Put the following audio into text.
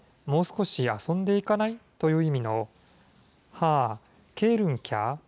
もう少し遊んでいかない？という意味の、はぁーけぇるんきゃー？